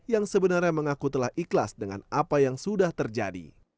yang sebenarnya mengaku telah ikhlas dengan apa yang sudah terjadi